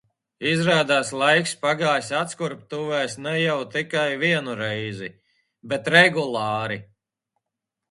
Izrādās laiks pagājis atskurbtuvēs un ne jau tikai vienu reizi, bet regulāri.